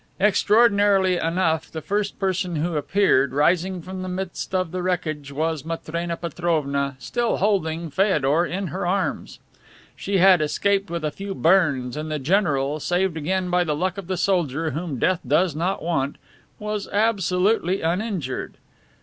Extraordinarily enough, the first person who appeared, rising from the midst of the wreckage, was Matrena Petrovna, still holding Feodor in her arms. She had escaped with a few burns and the general, saved again by the luck of the soldier whom Death does not want, was absolutely uninjured.